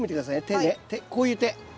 手ねこういう手。